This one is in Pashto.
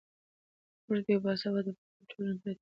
موږ د یوې باسواده او پرمختللې ټولنې په لټه کې یو.